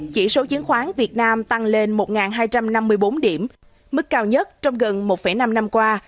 chỉ số chiến khoán việt nam tăng lên một hai trăm năm mươi bốn điểm mức cao nhất trong gần một năm năm qua